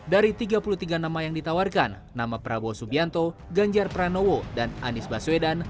dari tiga puluh tiga nama yang ditawarkan nama prabowo subianto ganjar pranowo dan anies baswedan